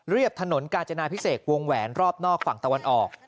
ถนนกาญจนาพิเศษวงแหวนรอบนอกฝั่งตะวันออก